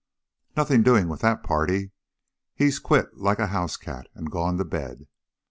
"Nothing doing with that party; he's quit like a house cat, and gone to bed."